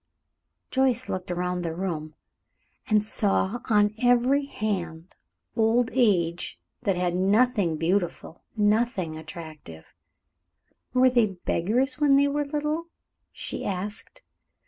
Joyce looked around the room and saw on every hand old age that had nothing beautiful, nothing attractive. "Were they beggars when they were little?" she asked.